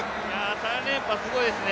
３連覇、すごいですね